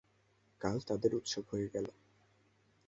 কাল তাদের উৎসব হয়ে গেল।